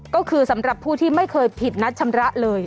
ก็คือสำหรับผู้ที่ไม่เคยผิดนัดชำระเลย